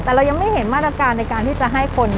แต่เรายังไม่เห็นมาตรการในการที่จะให้คน